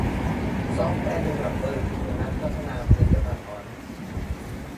ซอฟต์แวร์ดีวีลอปเปอร์ คือ นักพัฒนาผลิตภัณฑ์อ่อน